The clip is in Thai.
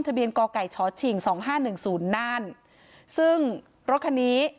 ทะเบียนกไก่ชอสฉิ่งสองห้าหนึ่งศูนย์นั่นซึ่งรถคันนี้